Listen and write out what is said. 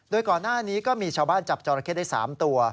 โดยก่อนหน้านี้ก็มีชาวบ้านจับจอราเข้ได้๓ตัว